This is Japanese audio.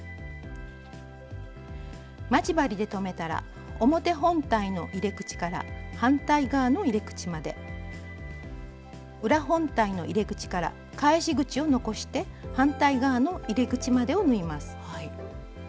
待ち針で留めたら表本体の入れ口から反対側の入れ口まで裏本体の入れ口から返し口を残して反対側の入れ口までを縫います。